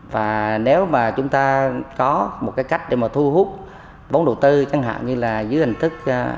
và nếu mà chúng ta có một cái cách để mà thu hút vốn đầu tư chẳng hạn như là dưới hình thức